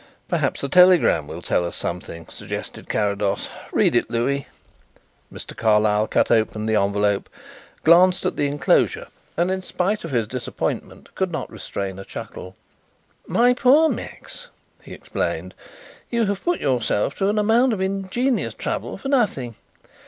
"Perhaps the telegram will tell us something," suggested Carrados. "Read it, Louis." Mr. Carlyle cut open the envelope, glanced at the enclosure, and in spite of his disappointment could not restrain a chuckle. "My poor Max," he explained, "you have put yourself to an amount of ingenious trouble for nothing.